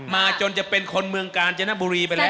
จนจะเป็นคนเมืองกาญจนบุรีไปแล้ว